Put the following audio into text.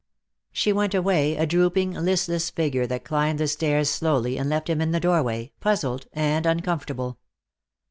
She went away, a drooping, listless figure that climbed the stairs slowly and left him in the doorway, puzzled and uncomfortable.